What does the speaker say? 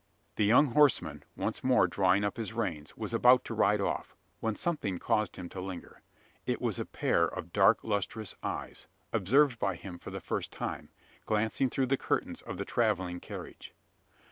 The young horseman, once more drawing up his reins, was about to ride off; when something caused him to linger. It was a pair of dark lustrous eyes observed by him for the first time glancing through the curtains of the travelling carriage.